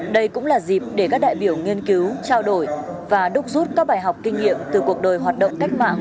đây cũng là dịp để các đại biểu nghiên cứu trao đổi và đúc rút các bài học kinh nghiệm từ cuộc đời hoạt động cách mạng